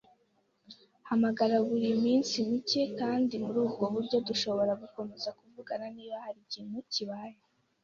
Hamagara buri minsi mike, kandi murubwo buryo dushobora gukomeza kuvugana niba hari ikintu kibaye.